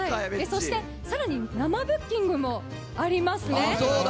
そしてさらに生ブッキングもありますね。